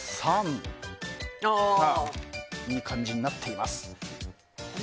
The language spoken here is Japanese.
いい感じになっています。